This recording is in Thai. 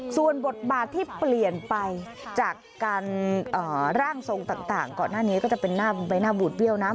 ส่วนบทบาทที่เปลี่ยนไปจากการร่างทรงต่างก่อนหน้านี้ก็จะเป็นหน้าใบหน้าบูดเบี้ยวนะ